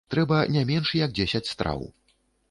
Трэба не менш як дзесяць страў.